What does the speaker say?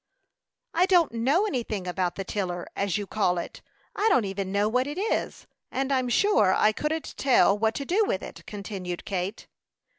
"I don't know anything about the tiller, as you call it. I don't even know what it is, and I'm sure I couldn't tell what to do with it," continued Kate.